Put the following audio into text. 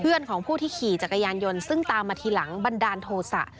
ของผู้ที่ขี่จักรยานยนต์ซึ่งตามมาทีหลังบันดาลโทษะ